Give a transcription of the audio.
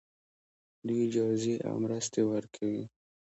دوی جایزې او مرستې ورکوي.